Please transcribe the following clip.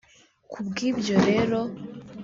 Ku bw’ibyo rero